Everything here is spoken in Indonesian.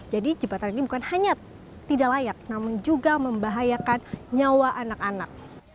jadi jembatan ini bukan hanya tidak layak namun juga membahayakan nyawa anak anak